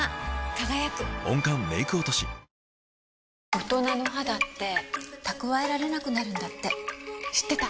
大人の肌って蓄えられなくなるんだって知ってた？